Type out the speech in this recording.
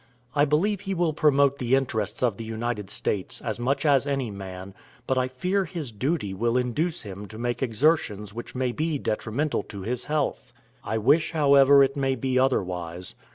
I believe he will promote the interests of the United States, as much as any man, but I fear his duty will induce him to make exertions which may be detrimental to his health. I wish however it may be otherwise.